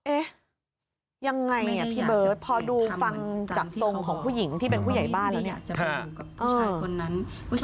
เอ๊ะยังไงอะพี่เบิร์ดพอดูฟังจัดทรงของผู้หญิงที่เป็นผู้ใหญ่บ้านแล้วเนี่ย